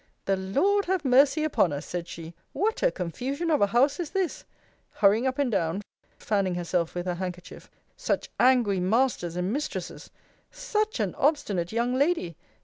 The Lord have mercy upon us! said she. What a confusion of a house is this! [hurrying up and down, fanning herself with her handkerchief,] Such angry masters and mistresses! such an obstinate young lady!